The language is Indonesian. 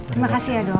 terima kasih ya dok